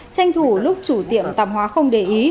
tranh thủ lúc chủ tiệm tạp hóa không để ý